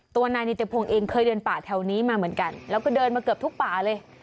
ตัวนายนิติพงศ์เองเคยเดินป่าแถวนี้มาเหมือนกันแล้วก็เดินมาเกือบทุกป่าเลย